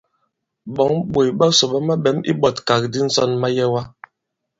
Ɓɔ̌ŋ ɓòt ɓasò ɓa maɓɛ̀m iɓɔ̀tkàgàdi ǹsɔn mayɛwa.